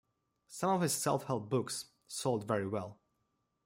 Some of his self-help books sold very well.